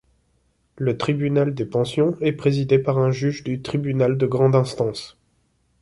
Le tribunal des pensions est présidé par un juge du tribunal de grande instance.